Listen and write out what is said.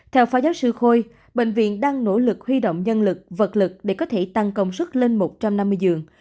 theo phó giáo sư khôi bệnh viện đang nỗ lực huy động nhân lực vật lực để có thể tăng công suất lên một trăm năm mươi giường